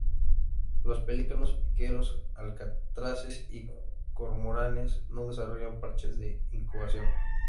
Los pelícanos, piqueros, alcatraces y cormoranes no desarrollan parches de incubación.